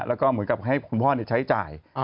แล้วก็เหมือนกับให้คุณพ่อใช้จ่าย